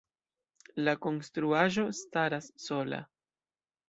La konstruaĵo staras sola.